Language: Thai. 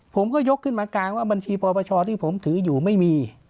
ผมก็ยกขึ้นมากลางว่าบัญชีปปชที่ผมถืออยู่ไม่มี